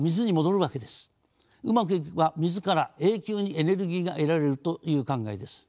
うまくいけば水から永久にエネルギーが得られるという考えです。